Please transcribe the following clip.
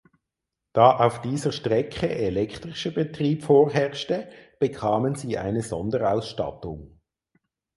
Da auf dieser Strecke elektrischer Betrieb vorherrschte bekamen sie eine Sonderausstattung.